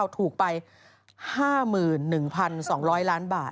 ถูกไป๕๑๒๐๐ล้านบาท